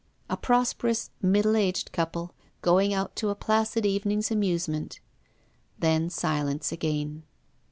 A prosperous, middle aged couple, going out to a placid evening's amusement. Then silence again.